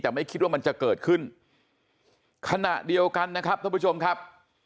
แต่ไม่คิดว่ามันจะเกิดขึ้นขณะเดียวกันนะครับท่านผู้ชมครับ